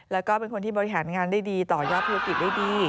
แล้วก็เป็นคนที่บริหารงานได้ดีต่อยอดธุรกิจได้ดี